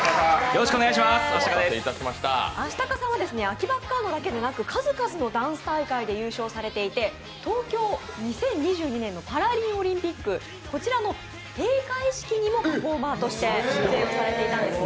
「あきばっかの！」だけではなく数々のダンス大会で優勝されていて東京２０２２年のパリランピック、こちらの閉会式にもパフォーマーとして出演されていたんです。